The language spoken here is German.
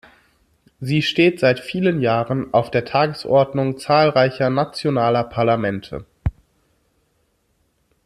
Sie steht seit vielen Jahren auf der Tagesordnung zahlreicher nationaler Parlamente.